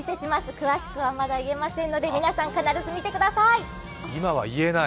詳しくはまだ言えませんので、皆さん、必ず見てください！